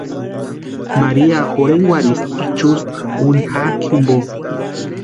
María jorhenkwarhisti ichusta úni jakʼi jimpo.